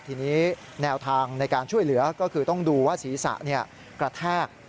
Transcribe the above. ทีนี้แนวทางในการช่วยเหลือก็คือต้องดูว่าศีรษะกระแทก